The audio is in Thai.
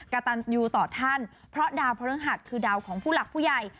กระตันยูต่อท่านเพราะดาวพระฤหัสคือดาวของผู้หลักผู้ใหญ่